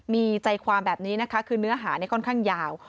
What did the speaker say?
มีใจความแบบนี้นะคะคือเนื้อหาค่อนข้างยาว